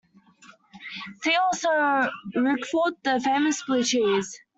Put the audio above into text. See also Roquefort, the famous blue cheese.